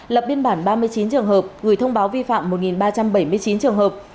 lập biên bản ba mươi chín trường hợp gửi thông báo vi phạm một ba trăm bảy mươi chín trường hợp